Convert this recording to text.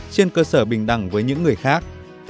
trên cơ sở bình đẳng với những người khác